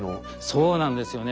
そうなんですよね。